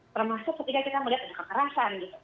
termasuk ketika kita melihat ada kekerasan gitu